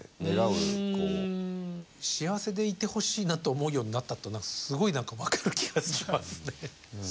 幸せでいてほしいなと思うようになったっていうのはすごい何か分かる気がしますね。